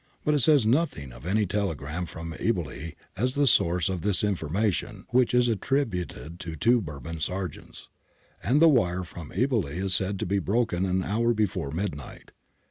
But it says nothing about any telegrams from Eboli as the source of this information (which is attributed to two Bourbon sergeants), and the wire from Eboli is said to be broken an hour before midnight.